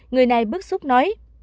người này bức xúc nói